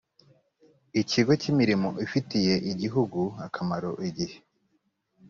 ikigo cy imirimo ifitiye igihugu akamaro igihe